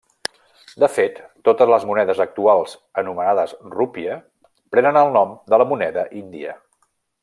De fet, totes les monedes actuals anomenades rupia prenen el nom de la moneda índia.